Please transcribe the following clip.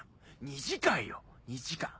２時間よ２時間。